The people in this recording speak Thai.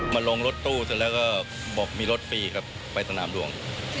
มาลงรถตู้เสร็จแล้วก็บอกมีรถฟรีครับไปสนามหลวง